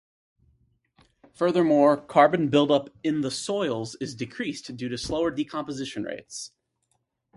Furthermore, carbon buildup in the soils is decreased due to slower decomposition rates.